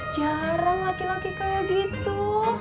jarang laki laki kayak gitu